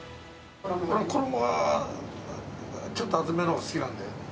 俺は衣は、ちょっと厚めのほうが好きなんだよね。